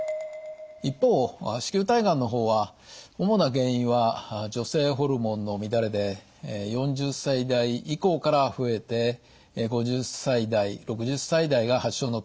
一方子宮体がんの方は主な原因は女性ホルモンの乱れで４０歳代以降から増えて５０歳代６０歳代が発症のピークとなります。